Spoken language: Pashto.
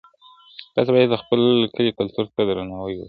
تاسي باید د خپل کلي کلتور ته درناوی وکړئ.